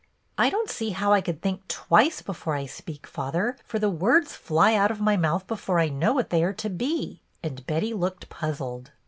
" I don't see how I could think twice before I speak, father, for the words fly out of my mouth before I know what they are to be ;" and Betty looked puzzled.